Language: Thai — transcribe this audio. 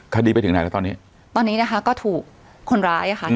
คดีไปถึงไหนแล้วตอนนี้ตอนนี้นะคะก็ถูกคนร้ายอ่ะค่ะ